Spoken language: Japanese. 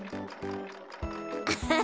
アハハ。